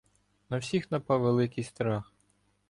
На всіх напав великий страх!